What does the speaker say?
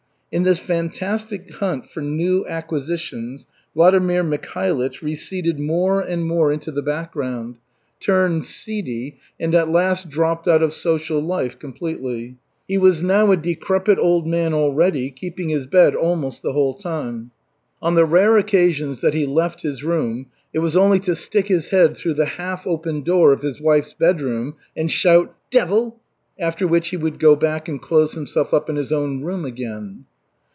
In this fantastic hunt for new acquisitions Vladimir Mikhailych receded more and more into the background, turned seedy and at last dropped out of social life completely. He was now a decrepit old man already, keeping his bed almost the whole time. On the rare occasions that he left his room it was only to stick his head through the half open door of his wife's bedroom and shout: "Devil!" After which he would go back and close himself up in his own room again.